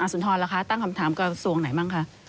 สุนทรล่ะคะตั้งคำถามกระทรวงไหนบ้างคะ